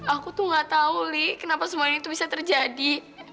aku tuh gak tau li kenapa semua ini tuh bisa terjadi